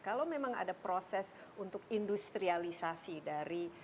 kalau memang ada proses untuk industrialisasi dari